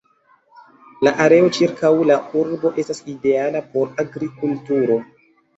La areo ĉirkaŭ la urbo estas ideala por agrikulturo.